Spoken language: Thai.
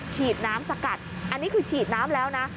ฉีดน้ำสกัดอันนี้คือฉีดน้ำแล้วนะ